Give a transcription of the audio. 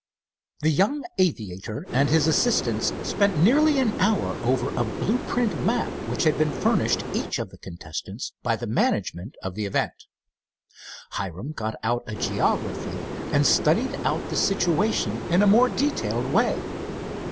The young aviator and his assistants spent nearly an hour over a blue print map which had been furnished each of the contestants by the management of the event. Hiram got out a geography and studied out the situation in a more detailed way.